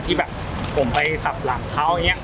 ที่แบบผมไปสับหลังเขาอย่างนี้